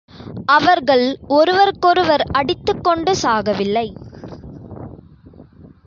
அவர்கள் ஒருவருக்கொருவர் அடித்துக் கொண்டு சாகவில்லை.